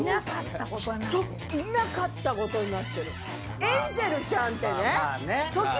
いなかったことになってる。